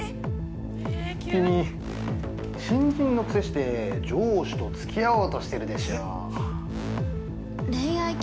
君、新人のくせして上司とつき合おうとしてるでしょう？